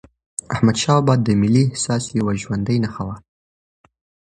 احمدشاه بابا د ملي احساس یوه ژوندي نښه وه.